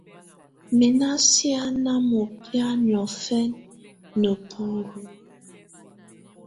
Mɛ́ ná siáná mɔbɛ̀á niɔ̀fɛnɛ nǝ́bulu.